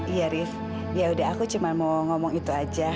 iya riz yaudah aku cuma mau ngomong itu aja